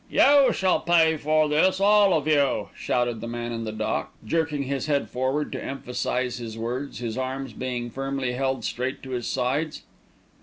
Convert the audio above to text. "You shall pay for this, all of you!" shouted the man in the dock, jerking his head forward to emphasise his words, his arms being firmly held straight to his sides.